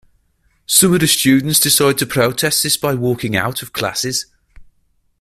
Some of the students decide to protest this by walking-out of classes.